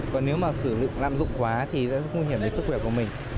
còn nếu mà sử dụng lam dụng quá thì sẽ nguy hiểm đến sức khỏe của mình